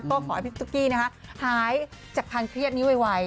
ก็ขอให้พี่ตุ๊กกี้หายจากความเครียดนี้ไว